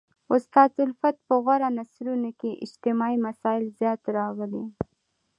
استاد الفت په غوره نثرونو کښي اجتماعي مسائل زیات راغلي.